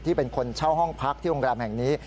เป็นคนเช่าห้องพักที่โรงแรมแห่งนี้